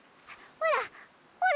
ほら！